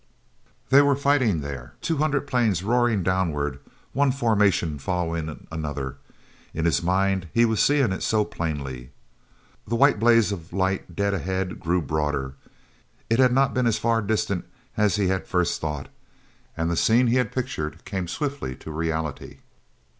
They were fighting there—two hundred planes roaring downward, one formation following another. In his mind he was seeing it so plainly. The white blaze of light dead ahead grew broader. It had not been as far distant as he had first thought, and the scene that he had pictured came swiftly to reality.